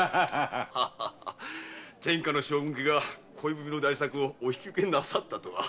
ハハ天下の将軍家が恋文の代作をお引き受けとは。